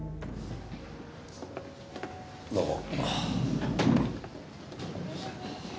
どうも。